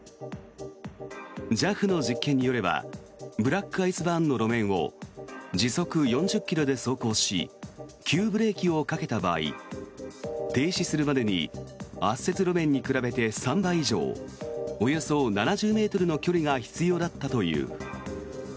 ＪＡＦの実験によればブラックアイスバーンの路面を時速４０ｋｍで走行し急ブレーキをかけた場合停止するまでに圧雪路面に比べて３倍以上およそ７０ｍの距離が必要だったという。